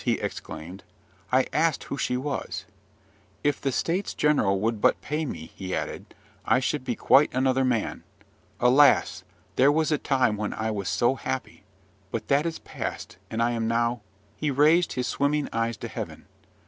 he exclaimed. I asked who she was. "If the states general would but pay me," he added, "I should be quite another man. Alas! there was a time when I was so happy; but that is past, and I am now " He raised his swimming eyes to heaven.